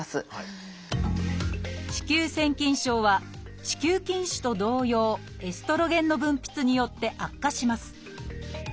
子宮腺筋症は子宮筋腫と同様エストロゲンの分泌によって悪化します